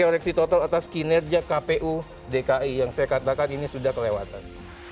koreksi total atas kinerja kpu dki yang saya katakan ini sudah kelewatan